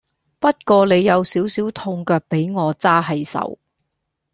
不過你有少少痛腳比我揸係手